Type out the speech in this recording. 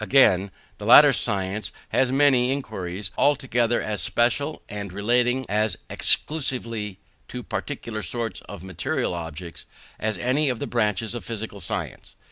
Again, the latter science has many inquiries altogether as special, and relating as exclusively to particular sorts of material objects, as any of the branches of physical science.